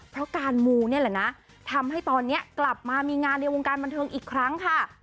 เพราะการมูนี่แหละนะทำให้ตอนนี้กลับมามีงานในวงการบันเทิงอีกครั้งค่ะ